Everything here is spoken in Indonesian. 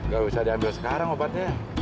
gak usah diambil sekarang obatnya